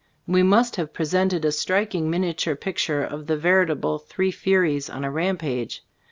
We must have presented a striking miniature picture of the veritable "Three Furies" on a rampage.